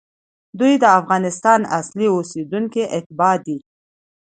دوی د افغانستان اصلي اوسېدونکي، اتباع دي،